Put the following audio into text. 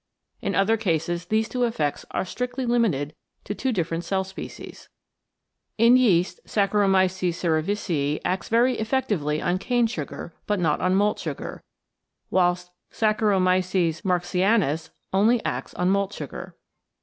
In other cases these two effects are strictly limited to two different cell species. In yeast Saccharomyces cerevisice acts very effectively on cane sugar, but not on malt sugar, whilst Saccharomyces Marxi anus only acts on malt sugar.